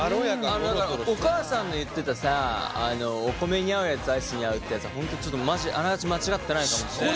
あのお母さんの言ってたさお米に合うやつアイスに合うってやつは本当ちょっとマジであながち間違ってないかもしれない。